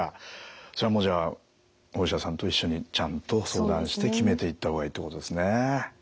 それもじゃあお医者さんと一緒にちゃんと相談して決めていった方がいいってことですね。